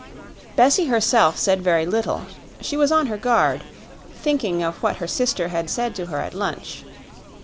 Bessie herself said very little; she was on her guard, thinking of what her sister had said to her at lunch.